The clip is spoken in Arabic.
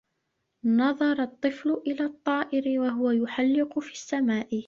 نَظَرَ الطِّفْلُ إِلَى الطَّائِرِ وَهُوَ يُحَلِّقُ فِي السَّمَاءِ.